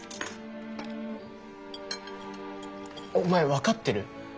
お前分かってる？